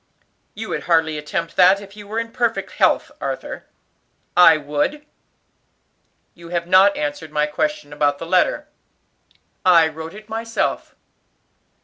"You would hardly attempt that if you were in perfect health, Arthur." "I would." "You have not answered my question about the letter. "I wrote it myself."